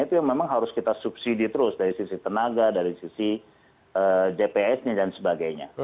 itu yang memang harus kita subsidi terus dari sisi tenaga dari sisi jps nya dan sebagainya